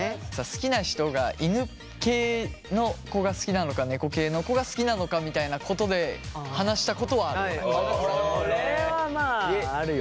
好きな人が犬系の子が好きなのか猫系の子が好きなのかみたいなことで話したことはある。